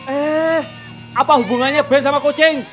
eh apa hubungannya ban sama kucing